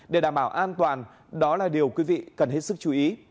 để đảm bảo an toàn đó là điều quý vị cần hết sức chú ý